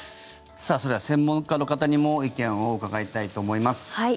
それでは専門家の方にも意見を伺いたいと思います。